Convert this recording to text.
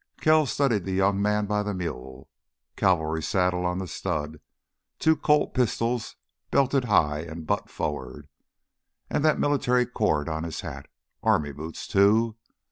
Kells studied the young man by the mule. Cavalry saddle on the stud, two Colt pistols belted high and butt forward, and that military cord on his hat—army boots, too.